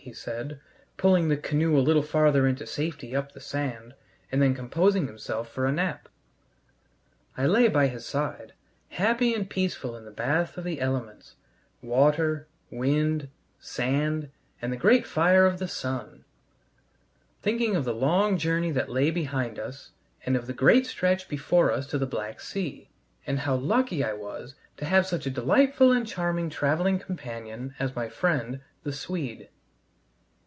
he said, pulling the canoe a little farther into safety up the sand, and then composing himself for a nap. I lay by his side, happy and peaceful in the bath of the elements water, wind, sand, and the great fire of the sun thinking of the long journey that lay behind us, and of the great stretch before us to the Black Sea, and how lucky I was to have such a delightful and charming traveling companion as my friend, the Swede.